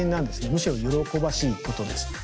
むしろ喜ばしいことです。